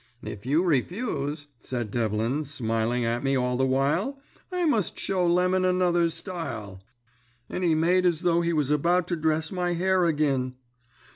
"'If you refuse,' said Devlin, smiling at me all the while, 'I must show Lemon another style.' "And he made as though he was about to dress my hair agin.